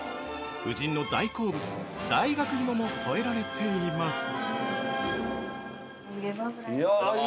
夫人の大好物大学芋も添えられています。